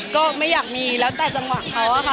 ก็ไม่อยากมีแล้วแต่จังหวะเขาอะค่ะ